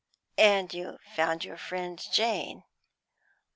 "And you found your friend Jane!"